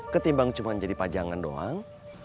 ketimbang cuma jadi pajangan doang